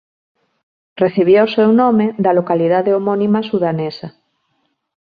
Recibía o seu nome da localidade homónima sudanesa.